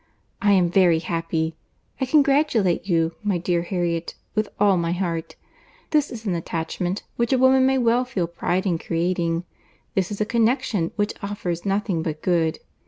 I am very happy. I congratulate you, my dear Harriet, with all my heart. This is an attachment which a woman may well feel pride in creating. This is a connexion which offers nothing but good.